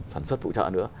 sản xuất phụ trợ nữa